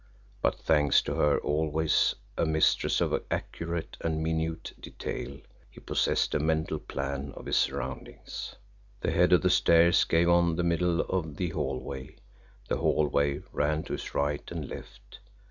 But thanks to her, always a mistress of accurate and minute detail, he possessed a mental plan of his surroundings. The head of the stairs gave on the middle of the hallway the hallway ran to his right and left.